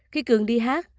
khi cường đi hạng